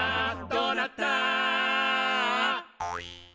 「どうなった？」